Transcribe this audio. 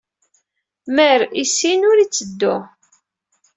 Mer issin, ur itteddu.